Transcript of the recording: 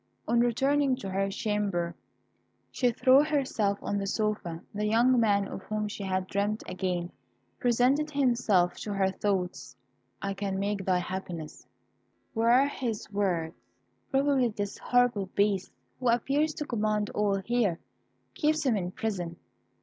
On returning to her chamber, she threw herself on the sofa; the young man of whom she had dreamt again presented himself to her thoughts. "'I can make thy happiness,' were his words. Probably this horrible Beast, who appears to command all here, keeps him in prison.